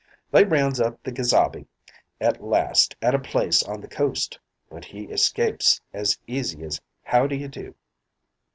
"They rounds up the gesabe at last at a place on the coast, but he escapes as easy as how do you do.